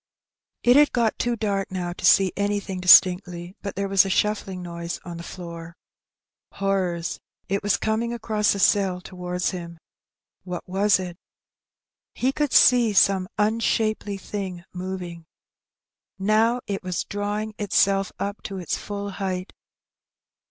It had got too dark now to see anything distinctly; but there was a shuiBling noise on the floor. Horrors! it was coming across the cell towards him. What was it? He could see some unshapely thing moving. Now it was drawing itself up to its full height.